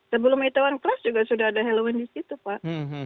sebelum itaewon class juga sudah ada halloween di situ pak